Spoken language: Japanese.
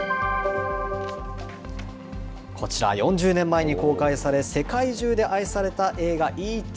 こちら、４０年前に公開され、世界中で愛された映画、Ｅ．Ｔ．。